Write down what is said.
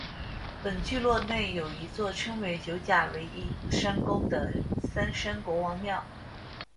本聚落内有一座称为九甲围义山宫的三山国王庙。